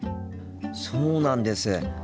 そうなんです。